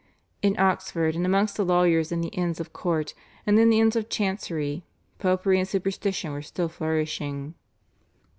In Oxford and amongst the lawyers in the Inns of Court and in the Inns of Chancery popery and superstition were still flourishing.